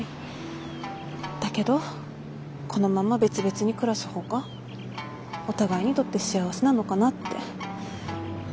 だけどこのまま別々に暮らす方がお互いにとって幸せなのかなって。